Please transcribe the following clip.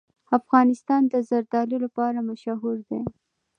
افغانستان د زردالو لپاره مشهور دی.